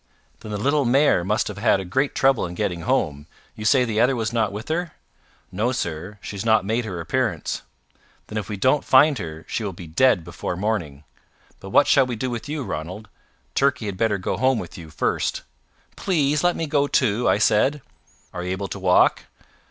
"Then the little mare must have had great trouble in getting home. You say the other was not with her?" "No, sir. She's not made her appearance." "Then if we don't find her, she will be dead before morning. But what shall we do with you, Ranald? Turkey had better go home with you first." "Please let me go too," I said. "Are you able to walk?"